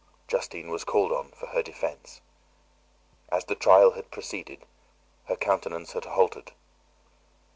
Justine was called on for her defence. As the trial had proceeded, her countenance had altered.